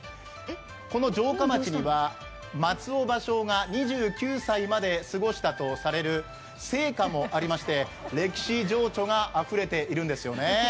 この城下町には松尾芭蕉が２９歳まで過ごしたとされる生家もありまして歴史情緒があふれているんですね。